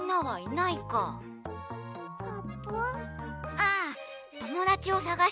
ああともだちをさがしてたの。